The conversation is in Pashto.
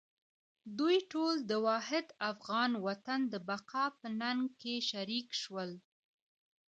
دوی ټول د واحد افغان وطن د بقا په ننګ کې شریک شول.